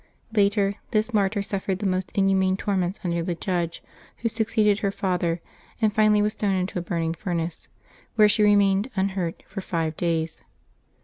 Later, this martyr suffered the most inhuman torments under the judge who succeeded her father, and finally was thrown into a burning furnace, where she re July 25] LIVES OF TEE SAINTS 261 mained, unhurt, for five days.